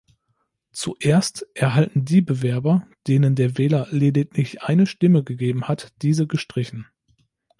Zuerst erhalten die Bewerber, denen der Wähler lediglich eine Stimme gegeben hat, diese gestrichen.